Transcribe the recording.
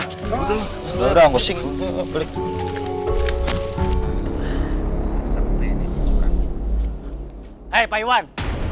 hei pak iwan